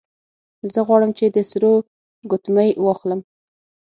زه غواړم چې د سرو ګوتمۍ واخلم